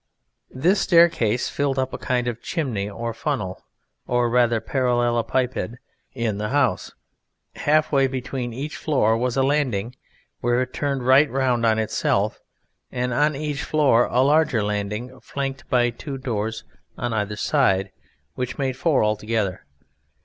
This staircase filled up a kind of Chimney or Funnel, or rather Parallelepiped, in the house: half way between each floor was a landing where it turned right round on itself, and on each floor a larger landing flanked by two doors on either side, which made four altogether.